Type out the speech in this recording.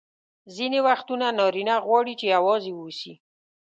ځیني وختونه نارینه غواړي چي یوازي واوسي.